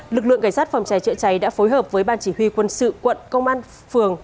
lực lượng cảnh sát phòng cháy chữa cháy đã phối hợp với ban chỉ huy quân sự quận công an phường